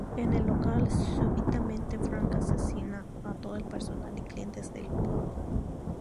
En el local súbitamente Frank asesina a todo el personal y clientes del pub.